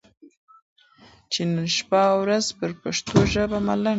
چې نن شپه او ورځ پر پښتو ژبه ملنډې وهي،